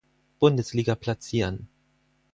Bundesliga platzieren.